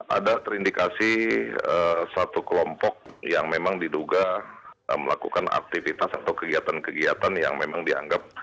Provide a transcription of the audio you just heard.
ada terindikasi satu kelompok yang memang diduga melakukan aktivitas atau kegiatan kegiatan yang memang dianggap